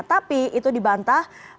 tapi itu dibantah